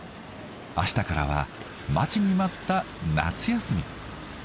あしたからは待ちに待った夏休み。